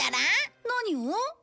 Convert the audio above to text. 何を？